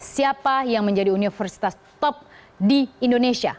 siapa yang menjadi universitas top di indonesia